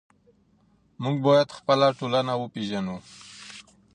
موږ باید خپله ټولنه وپېژنو.